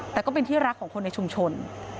แต่ก็เป็นที่รักของคนในชุมชน